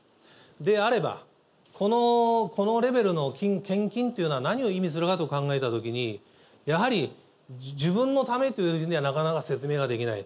であれば、このレベルの献金っていうのは何を意味するかって考えたときに、やはり、自分のためという意味ではなかなか説明ができない。